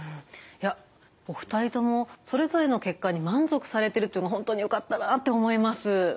いやお二人ともそれぞれの結果に満足されてるっていうのは本当によかったなあって思います。